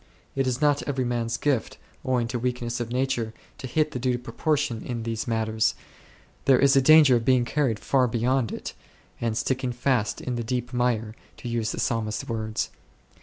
It is not every man's gift, owing to weakness of nature, to hit the due proportion in these matters ; there is a danger of being carried far beyond it, and "sticking fast in the deep mire 9," to use the Psalmist's words.